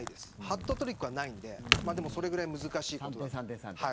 ハットトリックはないのでそれぐらい難しい。